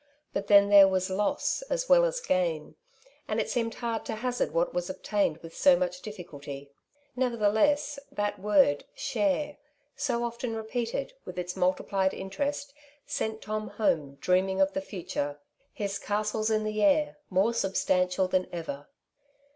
But then there was loss as well as gain, and it seemed hard to liazard what was obtained with so much difficulty. Nevertheless, that word " share," so often repeated, with its multi plied interest, sent Tom home dreaming of the future, his castles in the air more substantial tban ever.